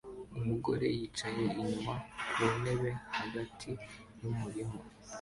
Umugore yicaye inyuma ku ntebe hagati yumurima